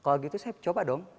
kalau gitu saya coba dong